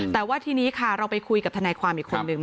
แต่ว่าทีนี้ค่ะเราไปคุยกับทนายความอีกคนนึง